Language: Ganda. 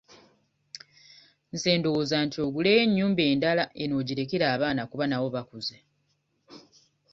Nze ndowooza nti oguleyo ennyumba endala eno ogirekere abaana kuba nabo bakuze.